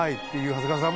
長谷川さん。